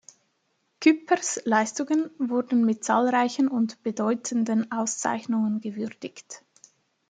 Küppers Leistungen wurden mit zahlreichen und bedeutenden Auszeichnungen gewürdigt.